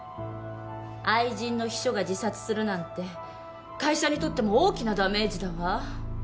愛人の秘書が自殺するなんて会社にとっても大きなダメージだわ。